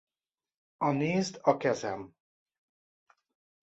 A Nézd a kezem!